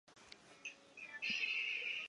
柳叶鳞球花为爵床科鳞球花属下的一个种。